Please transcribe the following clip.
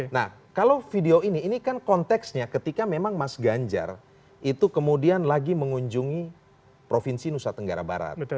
nah kalau video ini ini kan konteksnya ketika memang mas ganjar itu kemudian lagi mengunjungi provinsi nusa tenggara barat